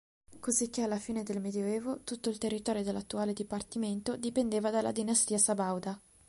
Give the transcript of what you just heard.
Cosicché alla fine del Medioevo tutto il territorio dell'attuale dipartimento dipendeva dalla dinastia sabauda.